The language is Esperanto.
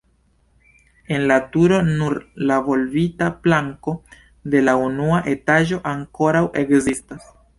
En la turo nur la volbita planko de la unua etaĝo ankoraŭ ekzistas.